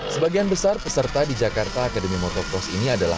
sebagian besar peserta di jakarta academy motocross ini adalah